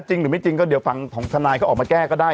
จริงหรือไม่จริงก็เดี๋ยวฟังของทนายเขาออกมาแก้ก็ได้